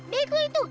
beg lu itu